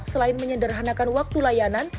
selain menyederhanakan waktu layanan